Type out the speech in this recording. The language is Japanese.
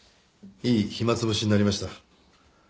いい暇潰しになりました。